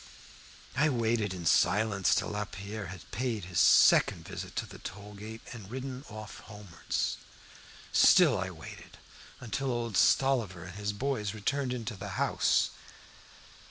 I waited in silence till Lapierre had paid his second visit to the toll gate and ridden off homewards. Still I waited, until old Stolliver and his boys returned into the house.